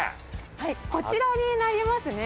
はいこちらになりますね。